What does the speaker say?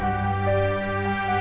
dia berusia lima belas tahun